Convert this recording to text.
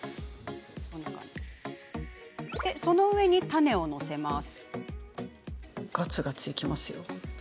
その上にタネを載せます。